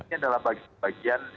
ini adalah bagian bagian